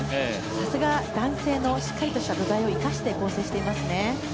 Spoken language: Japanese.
さすが、男性のしっかりとした土台を生かして、構成していますね。